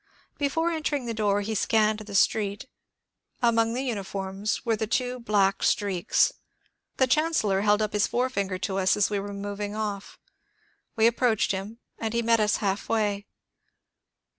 Before en tering the door he scanned the street. Among the uniforms we were the two black streaks. The chancellor held up his forefinger to us as we were moving off. We approached him, and he met us half way.